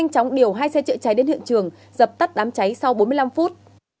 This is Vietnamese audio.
cháy đến hiện trường dập tắt đám cháy sau bốn mươi năm phút